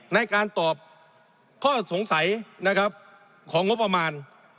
ในการตอบข้อสงสัยนะครับของงบประมาณ